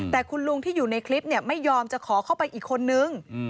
แต่คุณลุงที่อยู่ในคลิปไม่ยอมจะขอเข้าไปอีกคนนึง